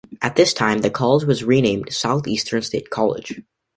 At this time, the college was renamed Southeastern State College.